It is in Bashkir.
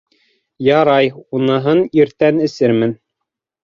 Ярай, уныһын иртән эсермен...